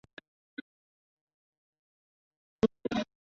这种形态都是离片锥目的亚目。